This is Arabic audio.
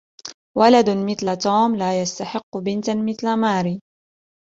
ولد مثل توم لا يستحق بنت مثل ماري.